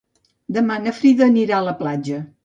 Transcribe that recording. Demà na Frida anirà a la platja.